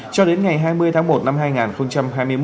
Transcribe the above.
cho đến ngày hai mươi tháng một năm hai nghìn hai mươi một